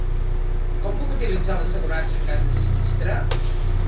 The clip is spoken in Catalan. Com puc utilitzar l'assegurança en cas de sinistre?